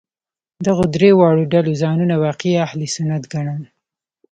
دغو درې واړو ډلو ځانونه واقعي اهل سنت ګڼل.